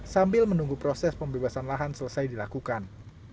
sambil menunggu proses pembebasan lahan selesai dilakukan